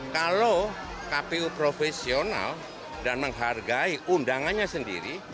kalau kpu profesional dan menghargai undangannya sendiri